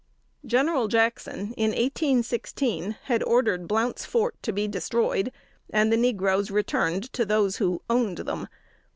General Jackson, in 1816, had ordered Blount's Fort to be destroyed and the negroes returned to those who owned them.